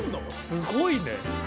すごいね。